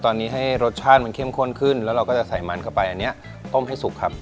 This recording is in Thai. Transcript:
ตอนนี้ให้รสชาติมันเข้มข้นขึ้นแล้วเราก็จะใส่มันเข้าไปอันนี้ต้มให้สุกครับ